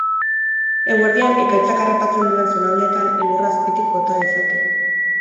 Eguerdian ekaitzak harrapatzen duen zonaldetan elurra azpitik bota dezake.